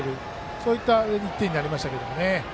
そういった１点になりました。